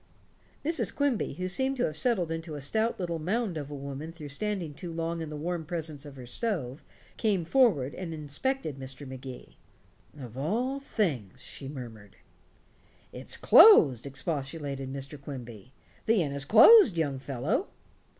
Mrs. Quimby, who seemed to have settled into a stout little mound of a woman through standing too long in the warm presence of her stove, came forward and inspected Mr. Magee. "Of all things," she murmured. "It's closed," expostulated Mr. Quimby; "the inn is closed, young fellow."